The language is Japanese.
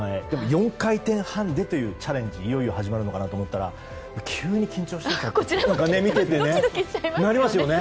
でも４回転半でというチャレンジがいよいよ始まるのかなと思ったら急に緊張してきた。